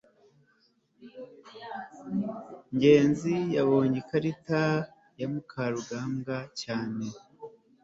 ngenzi yabonye ikarita ya mukarugambwa cyane